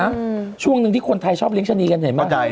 มันเป็นอย่างที่คนไทยชอบเลี้ยงชะนีกันเห็นไหม